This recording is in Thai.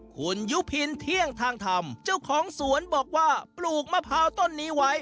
คุณยุพินเที่ยงทางธรรมเจ้าของสวนบอกว่าปลูกมะพร้าวต้นนี้ไว้